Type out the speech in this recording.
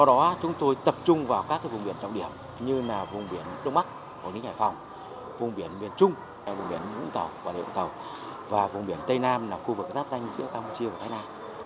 do đó chúng tôi tập trung vào các vùng biển trọng điểm như là vùng biển đông bắc hồ ninh hải phòng vùng biển biển trung vùng biển vũng tàu quảng địa vũng tàu và vùng biển tây nam là khu vực giáp danh giữa công chiêu và thái nam